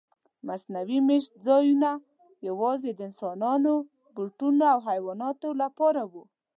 مصنوعي میشت ځایونه یواځې د انسانانو، بوټو او حیواناتو لپاره وو.